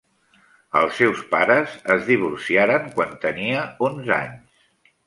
Els seus pares es divorciaren quan tenia onze anys.